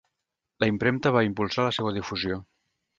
La impremta va impulsar la seua difusió.